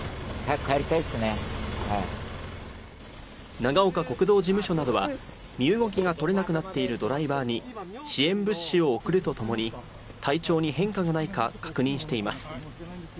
長岡国道事務所などは身動きが取れなくなっているドライバーに支援物資を送るとともに体調に変化がないか確認しています。